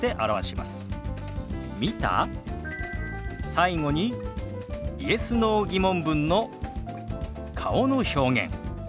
最後にＹｅｓ／Ｎｏ−疑問文の顔の表現。